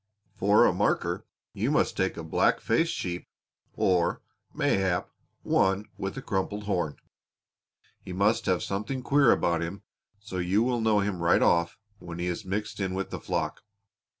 "For a marker you must take a black faced sheep or, mayhap, one with a crumpled horn; he must have something queer about him so you will know him right off when he is mixed in with the flock.